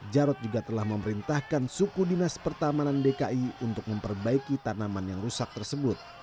jarod juga telah memerintahkan suku dinas pertamanan dki untuk memperbaiki tanaman yang rusak tersebut